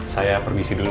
saya permisi dulu